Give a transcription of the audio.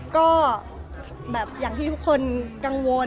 ก็แบบอย่างที่ทุกคนกังวล